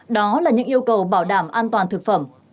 đó là những yêu cầu bảo đảm an toàn thực phẩm